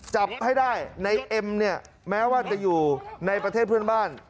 จับให้ได้ในเอ็มเนี่ยแม้ว่าจะอยู่ในประเทศเพื่อนบ้าน